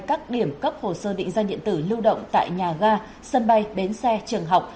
các điểm cấp hồ sơ định danh điện tử lưu động tại nhà ga sân bay bến xe trường học